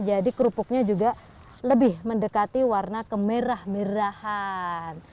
jadi kerupuknya juga lebih mendekati warna kemerah merahan